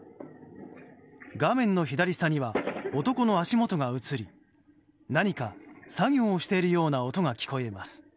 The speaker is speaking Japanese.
画面の左下には男の足元が映り何か作業をしているような音が聞こえます。